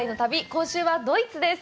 今週はドイツです。